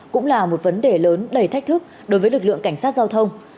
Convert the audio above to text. cũng là một vấn đề lớn đầy thách thức đối với lực lượng cảnh sát giao thông